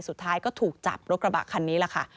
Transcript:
สุดท้ายก็ถูกจับรถกระบะคันนี้แหละค่ะ